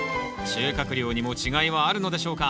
収穫量にも違いはあるのでしょうか？